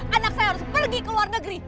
anak saya harus pergi ke luar negeri